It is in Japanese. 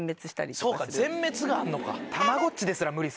そうか全滅があんのか。